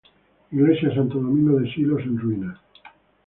Iglesia de Santo Domingo de Silos, en ruinas.